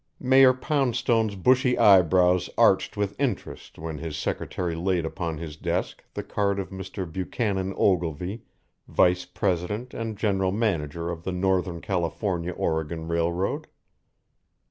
Mayor Poundstone's bushy eyebrows arched with interest when his secretary laid upon his desk the card of Mr. Buchanan Ogilvy, vice president and general manager of the Northern California Oregon Railroad.